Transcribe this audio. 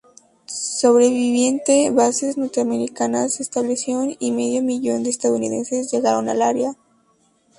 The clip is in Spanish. Sobre veinte bases norteamericanas se establecieron y medio millón de estadounidenses llegaron al área.